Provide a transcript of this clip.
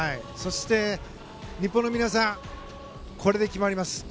そして、日本の皆さんこれで決まります。